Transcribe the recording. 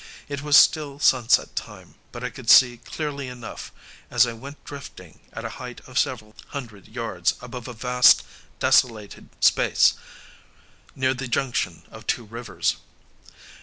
It was still sunset time, but I could see clearly enough as I went drifting at a height of several hundred yards above a vast desolated space near the junction of two rivers.